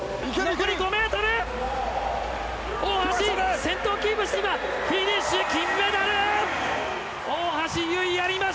残り５メートル、大橋、先頭をキープして、今、フィニッシュ、金メダル。